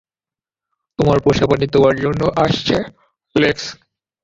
তোমার পোষাপ্রাণী তোমার জন্য আসছে, লেক্স।